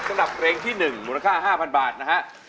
สำหรับเพลงที่หนึ่งมูลค่า๕๐๐๐บาทนะครับ